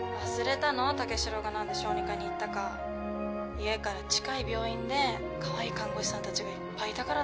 家から近い病院でカワイイ看護師さんたちがいっぱいいたからだよ。